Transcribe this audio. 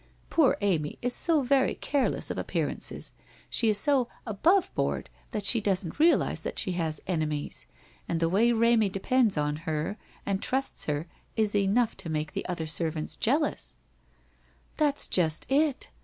Poor Amy is so very careless of appearances, she is so above board that she doesn't realize that she has enemies, and the way Remy depends on her and trusts her is enough to make the other servants jealous/ 'That's just it.